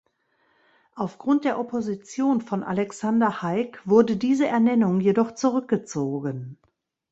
Aufgrund der Opposition von Alexander Haig wurde diese Ernennung jedoch zurückgezogen.